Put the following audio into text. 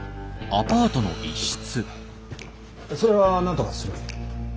それはなんとかする。